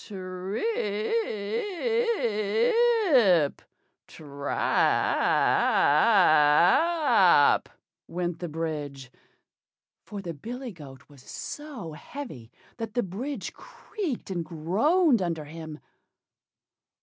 TRIP, TRAP!" went the bridge, for the billy goat was so heavy that the bridge creaked and groaned under him.